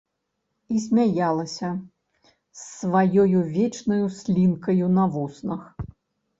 І смяялася з сваёю вечнаю слінкаю на вуснах.